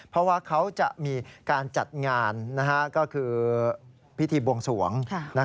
เพราะว่าเขาจะมีการจัดงานก็คือพิธีบวงสวง